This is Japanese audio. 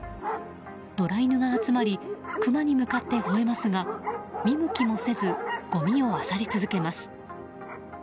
野良犬が集まりクマに向かって吠えますが見向きもせずごみをあさり続けます。